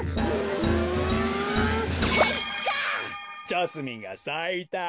ジャスミンがさいた。